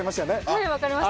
はいわかりました。